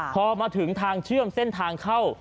พอมาถึงทางเชื่อมเส้นทางเข้า